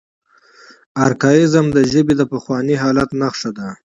ارکائیزم د ژبې د پخواني حالت نخښه ده.